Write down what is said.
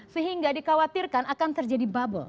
sehingga dikhawatirkan akan terjadi bubble